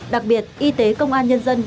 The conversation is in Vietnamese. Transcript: đặc biệt y tế công an nhân dân